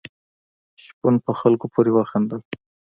شپون په خلکو پورې وخندل.